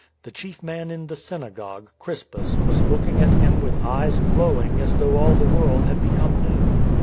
The chief man in the synagogue, Crispus, was looking at him with eyes glowing as though all the world had become new.